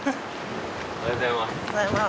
おはようございます。